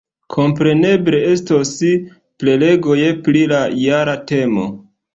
Kompreneble, estos prelegoj pri la jara temo.